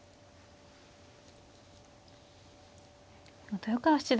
豊川七段